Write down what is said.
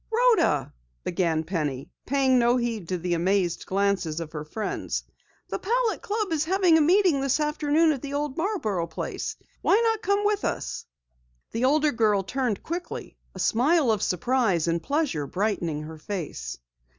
"Rhoda," began Penny, paying no heed to the amazed glances of her friends, "the Palette Club is having a meeting this afternoon at the old Marborough place. Why not come with us?" The older girl turned quickly, a smile of surprise and pleasure brightening her face.